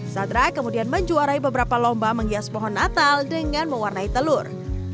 sadra kemudian menjuarai beberapa lomba menghias pohon natal dengan mewarnai telur